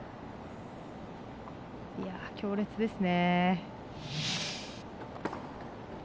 強烈ですね。